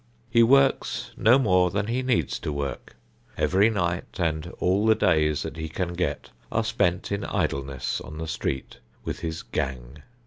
He works no more than he needs to work. Every night and all the days that he can get are spent in idleness on the street with his "gang."